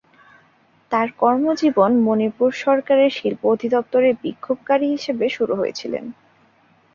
তার কর্মজীবন মণিপুর সরকারের শিল্প অধিদপ্তরে বিক্ষোভকারী হিসাবে শুরু হয়েছিলেন।